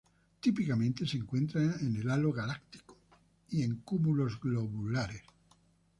Típicamente se encuentran en el halo galáctico y en cúmulos globulares.